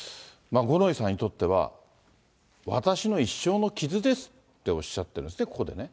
五ノ井さんにとっては、私の一生の傷ですっておっしゃってるんですね、ここでね。